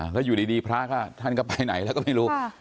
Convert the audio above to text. แล้วอยู่ดีพระท่านก็ไปไหนแล้วก็ไม่รู้